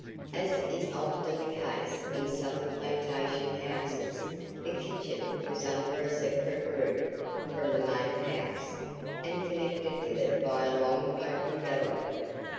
As is often the case in Southern plantation houses the kitchen was under a separate roof from the main house, and connected with it by a long open gallery.